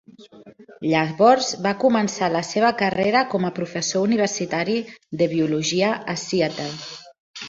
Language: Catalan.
Llavors va començar la seva carrera com a professor universitari de biologia a Seattle.